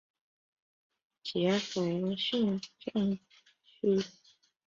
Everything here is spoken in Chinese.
杰佛逊镇区为美国堪萨斯州杰佛逊县辖下的镇区。